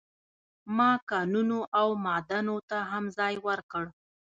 ما کانونو او معادنو ته هم ځای ورکړ.